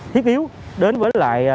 thiết yếu đến với lại